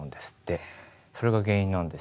それが原因なんですよ。